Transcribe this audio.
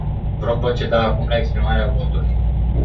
Vom proceda acum la exprimarea votului.